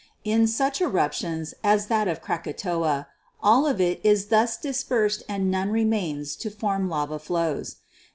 In such eruptions as that of Krakatoa, all of it is thus dis persed and none remains to form lava flows.